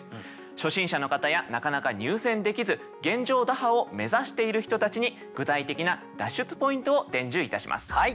初心者の方やなかなか入選できず現状打破を目指している人たちに具体的な脱出ポイントを伝授いたします。